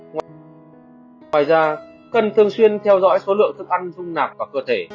ngoài ra cần thường xuyên theo dõi số lượng thức ăn rung nạp vào cơ thể